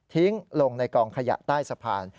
ลงในกองขยะใต้สะพาน